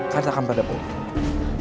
katakan pada bopo